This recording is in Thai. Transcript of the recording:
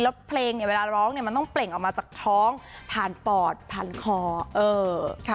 แล้วเพลงเวลาร้องมันต้องเปล่งออกมาจากท้องผ่านปอดผ่านคอ